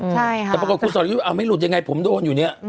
แต่ปรากฏคุณสรยุทธ์ไม่หลุดยังไงผมโดนอยู่เนี่ย